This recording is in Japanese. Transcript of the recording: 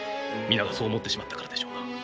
皆がそう思ってしまったからでしょうな。